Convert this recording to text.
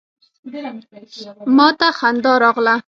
ما ته خندا راغله.